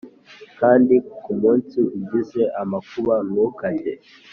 kandi ku munsi ugize amakuba ntukajye